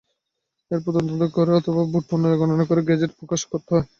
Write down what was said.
এরপর তদন্ত করে অথবা ভোট পুনরায় গণনা করে গেজেট প্রকাশ করত।